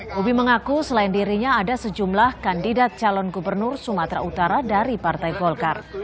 bobi mengaku selain dirinya ada sejumlah kandidat calon gubernur sumatera utara dari partai golkar